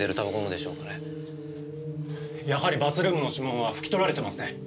やはりバスルームの指紋は拭き取られてますね。